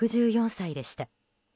６４歳でした。